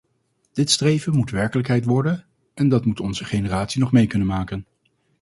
Dit streven moet werkelijkheid worden, en dat moet onze generatie nog mee kunnen maken.